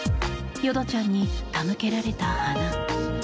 淀ちゃんに手向けられた花。